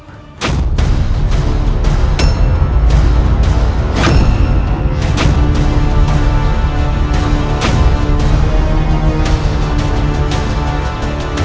dan kita akan menang